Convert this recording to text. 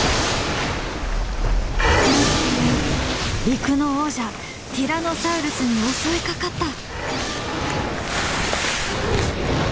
陸の王者ティラノサウルスに襲いかかった！